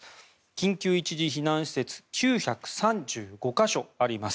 緊急一時避難施設９３５か所あります。